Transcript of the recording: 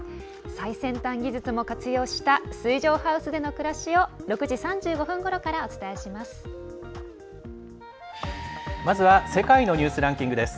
最先端技術も活用した水上ハウスでの暮らしを６時３５分ごろからお伝えします。